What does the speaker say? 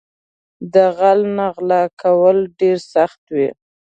له غل نه غلا کول ډېر سخت وي